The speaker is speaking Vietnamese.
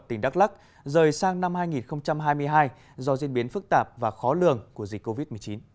tỉnh đắk lắc rời sang năm hai nghìn hai mươi hai do diễn biến phức tạp và khó lường của dịch covid một mươi chín